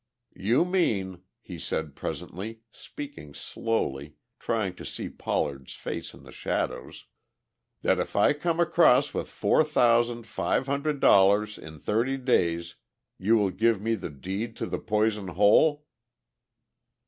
"You mean," he said presently, speaking slowly, trying to see Pollard's face in the shadows, "that if I come across with four thousand five hundred dollars in thirty days you will give me the deed to the Poison Hole?"